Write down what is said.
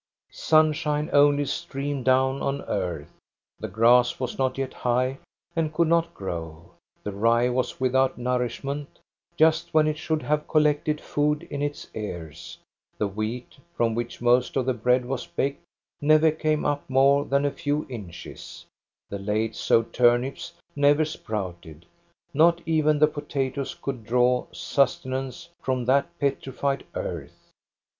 Sunshine only streamed down on ; earth. The grass was not yet high and could 376 THE STORY OF GOSTA BERLING not grow; the rye was without nourishment, just when it should have collected food in its ears; the wheat, from which most of the bread was baked, never came up more than a few inches; the late sowed turnips never sprouted ; not even the potatoes could draw sustenance from that petrified earth.